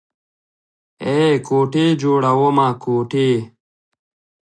ای کوټې جوړومه کوټې.